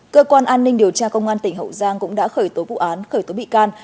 cơ quan an ninh điều tra công an tỉnh hậu giang cũng đã khởi tố vụ án khởi tố bị can